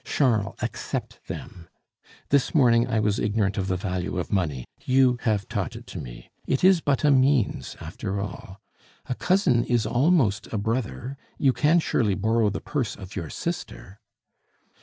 Charles, accept them! This morning I was ignorant of the value of money; you have taught it to me. It is but a means, after all. A cousin is almost a brother; you can surely borrow the purse of your sister."